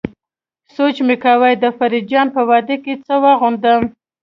سوچ مې کاوه د فريد جان په واده کې څه واغوندم.